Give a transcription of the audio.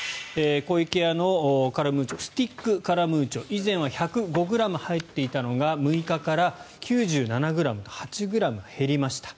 湖池屋のカラムーチョスティックカラムーチョ以前は１０５ｇ入っていたのが６日から９７ｇと８ｇ減りました。